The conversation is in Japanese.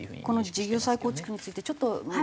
この事業再構築についてちょっと。